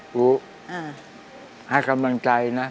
ฮู้ให้กำลังใจนะ๑๐๐๐